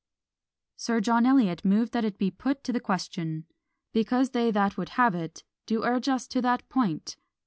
Sir John Eliot moved that it be put to the question, "because they that would have it, do urge us to that point."